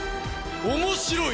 面白い！